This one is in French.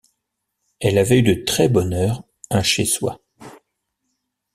Elle avait eu de très bonne heure un chez-soi.